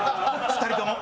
２人とも。